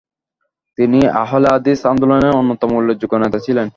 তিনি আহলে হাদিস আন্দোলনের অন্যতম উল্লেখযোগ্য নেতা ছিলেন।